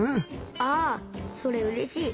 ああそれうれしい。